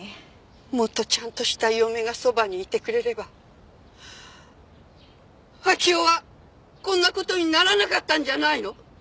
もっとちゃんとした嫁がそばにいてくれれば秋生はこんな事にならなかったんじゃないの！？